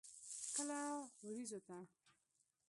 کله ورېځو ته.